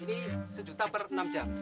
ini sejuta per enam jam